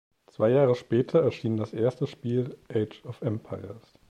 Zwei Jahre später erschien das erste Spiel "Age of Empires".